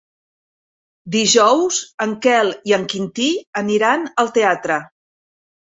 Dijous en Quel i en Quintí aniran al teatre.